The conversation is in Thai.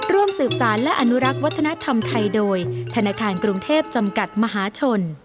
ร่วมสืบสารและอนุรักษ์วัฒนธรรมไทยโดยธนาคารกรุงเทพจำกัดมหาชน